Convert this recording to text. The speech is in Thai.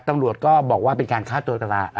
ตำรวจก็บอกว่าเป็นการฆ่าตัวตาย